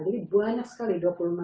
jadi banyak sekali dua puluh enam